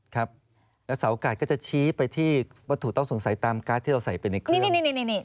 ครับแล้วสาวโอกาสก็จะชี้ไปที่วัตถุต้องสงสัยตามการ์ดที่เราใส่ไปในกล้อง